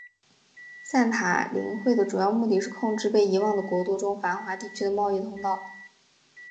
散塔林会的主要目的是控制被遗忘的国度中繁华地区的贸易通道。